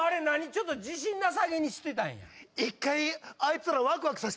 ちょっと自信なさげにしてたんやくそっ！